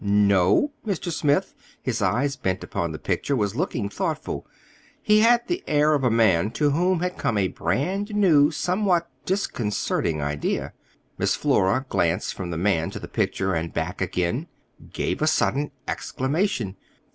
"No?" Mr. Smith, his eyes bent upon the picture, was looking thoughtful. He had the air of a man to whom has come a brand new, somewhat disconcerting idea. Miss Flora, glancing from the man to the picture, and back again, gave a sudden exclamation.